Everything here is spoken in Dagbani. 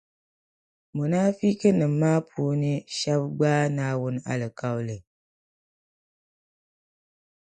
Munaafichinim’ maa puuni shεba gbaai Naawuni alikauli